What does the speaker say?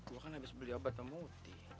gue kan habis beli obat mau utih